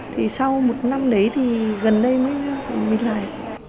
thì sau một năm đấy thì gần đây mới mình làm